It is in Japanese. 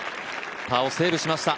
パーをセーブしました。